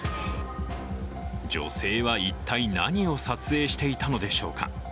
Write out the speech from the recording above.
女性は一体、何を撮影していたのでしょうか。